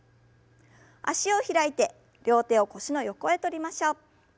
脚を開いて両手を腰の横へとりましょう。